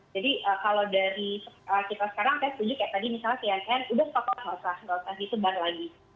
jadi kalau dari kita sekarang saya tunjukkan tadi misalnya cnn sudah stop loss nggak usah disebar lagi